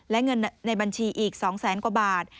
และเงินในบัญชีอีก๒แสนกว่าบาท